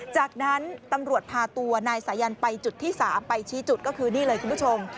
จากนั้นตำรวจพาตัวนายสายันไปจุดที่๓ไปชี้จุดก็คือนี่เลยคุณผู้ชม